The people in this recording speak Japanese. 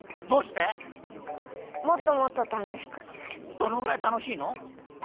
どのぐらいたのしいの？